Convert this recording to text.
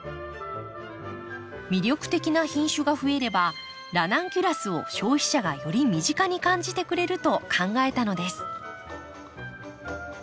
魅力的な品種が増えればラナンキュラスを消費者がより身近に感じてくれると考えたのです。